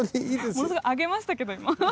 ものすごい上げましたけど今。